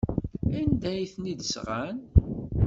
Anda ay ten-id-sɣan?